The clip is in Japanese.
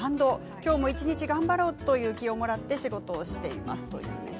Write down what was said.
きょうも一日頑張ろうという気をもらって仕事をしています。